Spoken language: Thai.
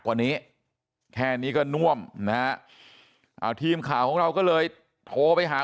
กว่านี้แค่นี้ก็น่วมนะฮะเอาทีมข่าวของเราก็เลยโทรไปหา